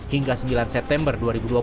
hingga sembilan september dua ribu dua puluh